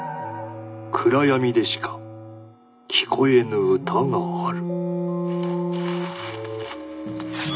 暗闇でしか聴こえぬ歌がある。